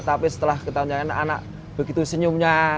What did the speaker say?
tapi setelah kita nyanyian anak begitu senyumnya